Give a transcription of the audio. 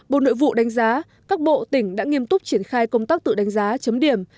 bộ nội vụ đánh giá các bộ tỉnh đã nghiêm túc triển khai công tác tự đánh giá chấm điểm